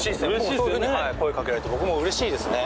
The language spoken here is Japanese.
そういう風に声かけられて僕もうれしいですね。